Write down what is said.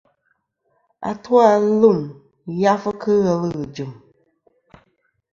Atu-a lum yafɨ kɨ ghelɨ ghɨ̀ jɨ̀m.